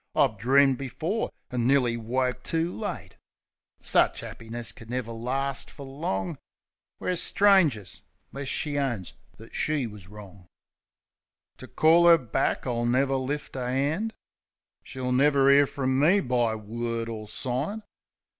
I've dreamed before, and nearly woke too late. Sich 'appiness could never last fer long. We're strangers — 'less she owns that she was wrong. To call 'er back I'll never lift a 'and ; She'll never 'ear frum me by word or sign.